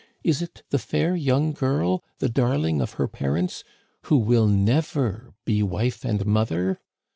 Is it the fair young girl, the darling of her parents, who will never be wife and mother?